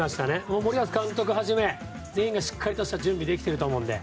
森保監督をはじめ全員がしっかり準備できていると思うので。